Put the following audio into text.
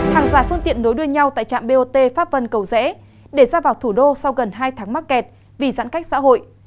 hàng dài phương tiện nối đuôi nhau tại trạm bot pháp vân cầu rẽ để ra vào thủ đô sau gần hai tháng mắc kẹt vì giãn cách xã hội